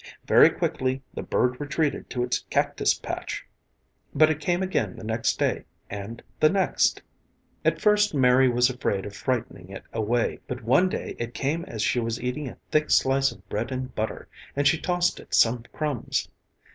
Very quickly the bird retreated to its cactus patch. But it came again the next day and the next. At first Mary was afraid of frightening it away, but one day it came as she was eating a thick slice of bread and butter and she tossed it some crumbs.